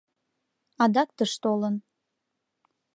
Адак тыш толын.